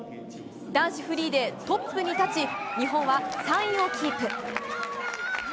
男子フリーでトップに立ち日本は３位をキープ。